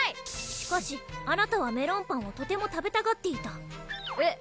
しかしあなたはメロンパンをとても食べたがっていたえっ？